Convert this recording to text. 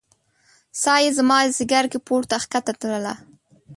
ساه يې زما ځیګر کې پورته کښته تلله